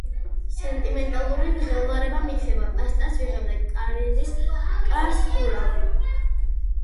სენტიმენტალური მღელვარება მიქრება. პასტას ვიღებ და კარადის კარს ვხურავ.